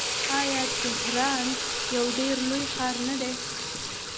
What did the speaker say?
آیا تهران یو ډیر لوی ښار نه دی؟